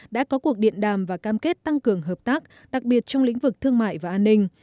đã có cuộc điện đàm và cam kết tăng cường hợp tác đặc biệt trong lĩnh vực thương mại và an ninh